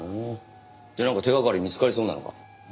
でなんか手掛かり見つかりそうなのか？